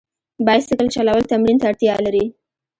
بایسکل چلول تمرین ته اړتیا لري.